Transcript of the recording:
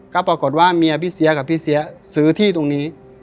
ก็ปรากฏว่าเมียพี่เสียกับพี่เสียซื้อที่ตรงนี้